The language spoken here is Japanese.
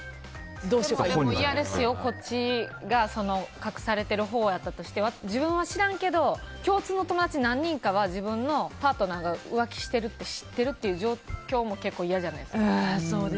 こっちが隠されてるほうやったとして自分は知らんけど共通の友達何人かは自分のパートナーが浮気してるって知ってるっていう状況も結構嫌じゃないですか？